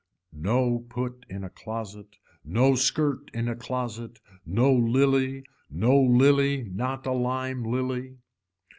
No put in a closet, no skirt in a closet, no lily, no lily not a lime lily.